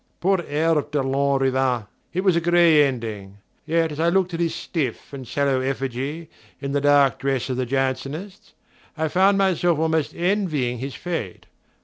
Poor Herve de Lanrivain: it was a grey ending. Yet as I looked at his stiff and sallow effigy, in the dark dress of the Jansenists, I almost found myself envying his fate.